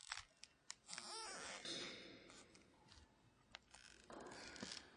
Allí se hace un recorrido por las mansiones de las celebridades.